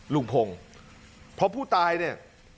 ลุงพงศ์เพราะผู้ตายเนี่ย